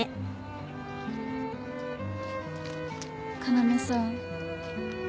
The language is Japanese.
要さん